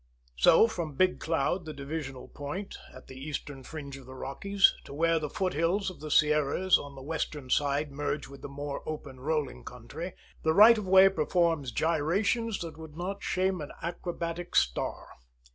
So, from Big Cloud, the divisional point, at the eastern fringe of the Rockies, to where the foothills of the Sierras on the western side merge with the more open, rolling country, the right of way performs gyrations that would not shame an acrobatic star.